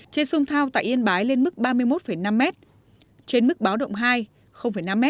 trên sông thao tại yên bái lên mức ba mươi một năm m trên mức báo động hai năm m